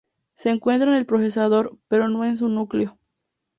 Se encuentra en el procesador, pero no en su núcleo.